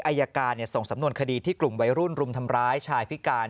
อายการส่งสำนวนคดีที่กลุ่มวัยรุ่นรุมทำร้ายชายพิการ